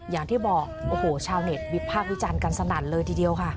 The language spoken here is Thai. อย่างที่โอ้โหชาวเน็ตวิพากษ์วิจารณ์กันสนั่นเลยทีเดียวค่ะ